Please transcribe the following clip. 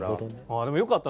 でもよかった。